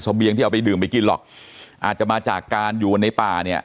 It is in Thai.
เบียงที่เอาไปดื่มไปกินหรอกอาจจะมาจากการอยู่ในป่าเนี่ย